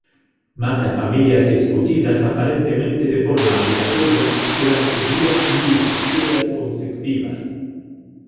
Mata familias escollidas aparentemente de forma aleatoria durante dúas lúas cheas consecutivas.